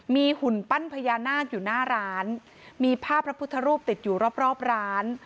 มีหุ่นปั้นพญานาคอยู่หน้าร้านมีภาพพระพุทธรูปติดอยู่รอบรอบร้าน